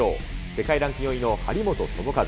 世界ランク４位の張本智和。